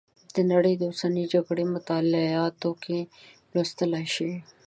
د نړۍ د اوسنیو جګړو مطالعاتو کې لوستلی شئ.